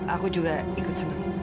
aku juga ikut senang